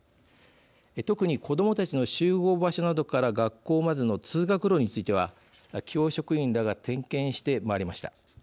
特に、子どもたちの集合場所などから学校までの通学路については教職員らが点検して回りました。